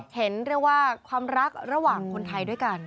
เห็นความรักระหว่างคนไทยด้วยกัน